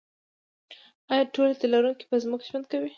ایا ټول تی لرونکي په ځمکه ژوند کوي